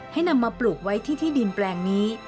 ให้นำมาปลูกไว้ที่ดินแปลงนี้